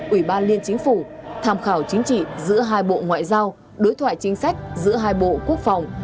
ủy ban liên chính phủ tham khảo chính trị giữa hai bộ ngoại giao đối thoại chính sách giữa hai bộ quốc phòng